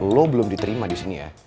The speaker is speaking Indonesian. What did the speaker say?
lo belum diterima di sini ya